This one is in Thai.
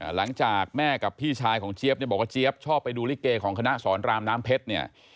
หลังจากแม่กับพี่ชายของเจี๊ยบเนี่ยบอกว่าเจี๊ยบชอบไปดูลิเกของคณะสอนรามน้ำเพชรเนี่ย